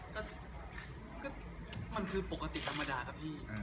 ก็มันคือปกติธรรมดาครับพี่